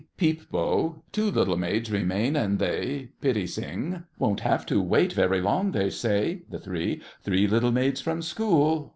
PEEP BO. Two little maids remain, and they— PITTI SING. Won't have to wait very long, they say— THE THREE. Three little maids from school!